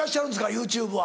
ＹｏｕＴｕｂｅは。